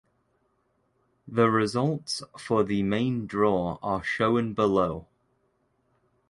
The results for the main draw are shown below.